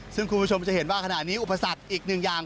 ซึ่งคุณผู้ชมจะเห็นว่าขณะนี้อุปสรรคอีกหนึ่งอย่าง